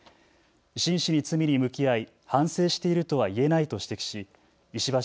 真摯に罪に向き合い反省しているとは言えないと指摘し石橋